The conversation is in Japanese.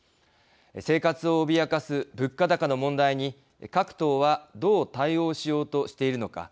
生活を脅かす物価高の問題に各党はどう対応しようとしているのか。